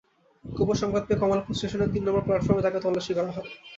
গোপন সংবাদ পেয়ে কমলাপুর স্টেশনের তিন নম্বর প্লাটফরমে তাঁকে তল্লাশি করা হয়।